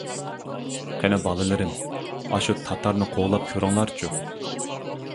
-قېنى، باللىرىم، ئاشۇ تاتارنى قوغلاپ كۆرۈڭلارچۇ!